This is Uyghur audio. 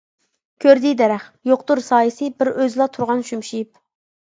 كۆردى دەرەخ: يوقتۇر سايىسى، بىر ئۆزىلا تۇرغان شۈمشىيىپ.